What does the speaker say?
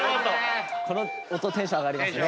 この音テンション上がります。